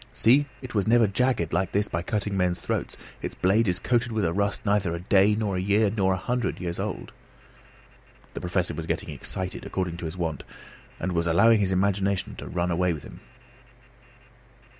See, it was never jagged like this by cutting men's throats; its blade is coated with a rust neither a day, nor a year, nor a hundred years old." The Professor was getting excited according to his wont, and was allowing his imagination to run away with him.